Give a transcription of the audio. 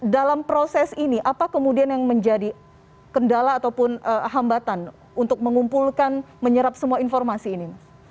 dalam proses ini apa kemudian yang menjadi kendala ataupun hambatan untuk mengumpulkan menyerap semua informasi ini